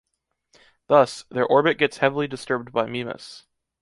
Thus, their orbit gets heavily disturbed by Mimas.